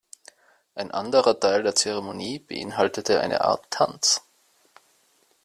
Ein anderer Teil der Zeremonie beinhaltete eine Art Tanz.